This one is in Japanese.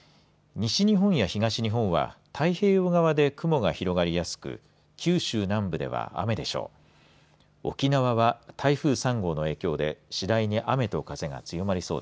西日本や東日本は太平洋側で雲が広がりやすく九州南部では雨でしょう。